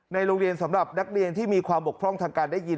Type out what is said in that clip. โรงเรียนสำหรับนักเรียนที่มีความบกพร่องทางการได้ยิน